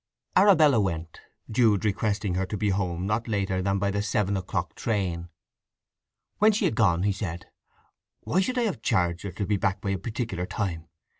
Arabella went, Jude requesting her to be home not later than by the seven o'clock train. When she had gone he said: "Why should I have charged her to be back by a particular time!